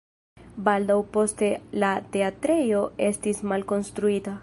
Baldaŭ poste la teatrejo estis malkonstruita.